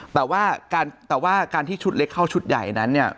แต่ว่าการที่ชุดเล็กเข้าชุดใหญ่นั้น